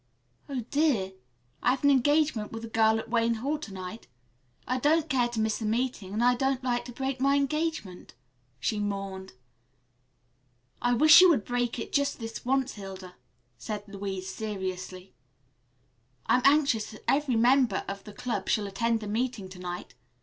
"Oh, dear, I've an engagement with a girl at Wayne Hall to night. I don't care to miss the meeting, and I don't like to break my engagement," she mourned. "I wish you would break it just this once, Hilda," said Louise seriously. "I am anxious that every member of the club shall attend the meeting to night.